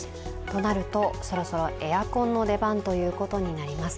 となると、そろそろエアコンの出番ということになります。